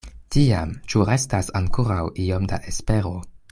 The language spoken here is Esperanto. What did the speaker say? Tiam ĉu restas ankoraŭ iom da espero?